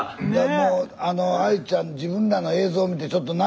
もうＡＩちゃん自分らの映像見てちょっと涙。